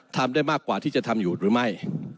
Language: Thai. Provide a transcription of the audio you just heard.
ทำได้มากกว่าที่จะทำอยู่หรือไม่